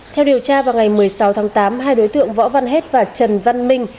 theo điều tra vào ngày một mươi sáu tháng tám hai đối tượng võ văn hết và trần văn minh